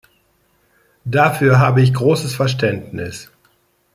Dafür habe ich großes Verständnis.